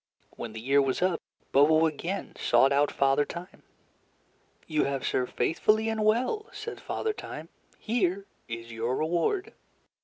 When the year was up, Bobo again sought out Father Time. "You have served faithfully and well," said Father Time. "Here is your reward."